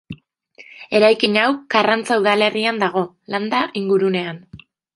Eraikin hau Karrantza udalerrian dago, landa-ingurunean.